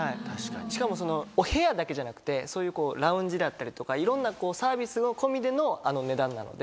しかもそのお部屋だけじゃなくてそういうラウンジだったりとかいろんなサービスも込みでのあの値段なので。